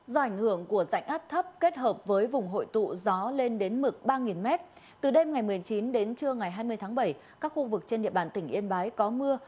do ảnh hưởng của dạnh áp thấp kết hợp với vùng hội tụ gió lên đến mực ba m từ đêm ngày một mươi chín đến trưa ngày hai mươi tháng bảy các khu vực trên địa bàn tỉnh yên bái có mưa